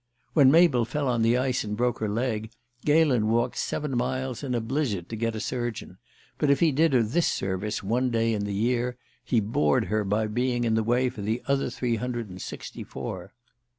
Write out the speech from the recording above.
When Mabel fell on the ice and broke her leg, Galen walked seven miles in a blizzard to get a surgeon; but if he did her this service one day in the year, he bored her by being in the way for the other three hundred and sixty four.